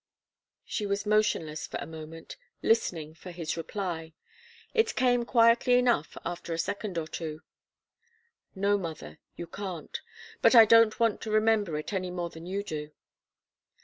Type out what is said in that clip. She was motionless for a moment, listening for his reply. It came quietly enough after a second or two. "No, mother, you can't. But I don't want to remember it, any more than you do."